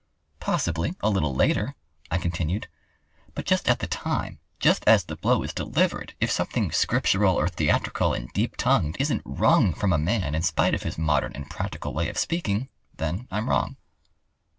"Possibly, a little later," I continued. "But just at the time—just as the blow is delivered, if something Scriptural or theatrical and deep tongued isn't wrung from a man in spite of his modern and practical way of speaking, then I'm wrong."